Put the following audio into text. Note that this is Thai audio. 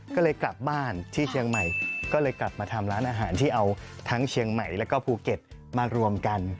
ก็เลยกลับบ้านที่เชียงใหม่ก็เลยกลับมาทำร้านอาหารที่เอาทั้งเชียงใหม่แล้วก็ภูเก็ตมารวมกัน